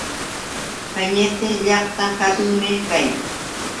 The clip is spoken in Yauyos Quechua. Kañiti llaqta hatunmi kayan.